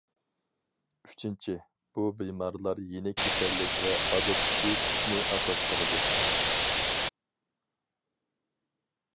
ئۈچىنچى، بۇ بىمارلار يېنىك كېسەللىك ۋە ئادەتتىكى تىپنى ئاساس قىلىدۇ.